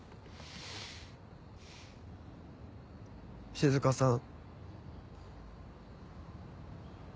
静さん。